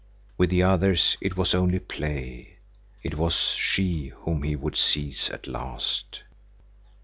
With the others it was only play. It was she whom he would seize at last.